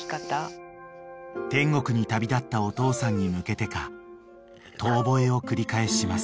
［天国に旅立ったお父さんに向けてか遠吠えを繰り返します］